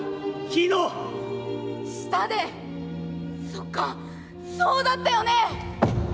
そっかそうだったよね」。